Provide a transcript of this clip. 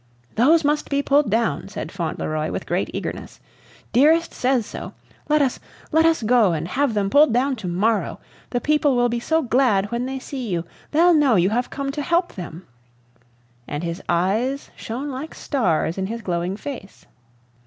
"Those must be pulled down," said Fauntleroy, with great eagerness. "Dearest says so. Let us let us go and have them pulled down to morrow. The people will be so glad when they see you! They'll know you have come to help them!" And his eyes shone like stars in his glowing face.